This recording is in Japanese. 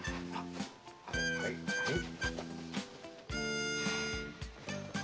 ははいはい。